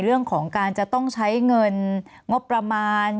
เรื่องของการจะต้องใช้เงินงบประมาณ